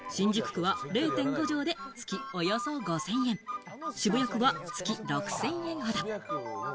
相場は場所によって差があって、新宿区は０．５畳で、月およそ５０００円、渋谷区は月６０００円ほど。